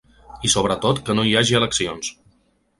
I sobretot que no hi hagi eleccions.